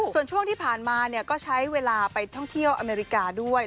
ส่วนช่วงที่ผ่านมาก็ใช้เวลาไปท่องเที่ยวอเมริกาด้วย